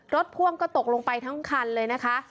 พ่วงก็ตกลงไปทั้งคันเลยนะคะ